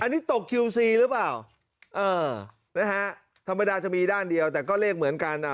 นกเอี่ยงเอ๋ยมาเลี้ยงขวายเท่า